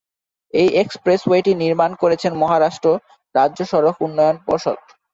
এই এক্সপ্রেসওয়েটি নির্মাণ করেছে মহারাষ্ট্র রাজ্য সড়ক উন্নয়ন পর্ষদ।